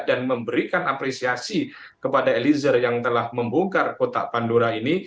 dan memberikan apresiasi kepada eliezer yang telah membongkar kotak pandora ini